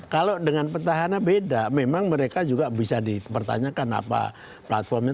kalau dengan petahana beda memang mereka juga bisa dipertanyakan apa platformnya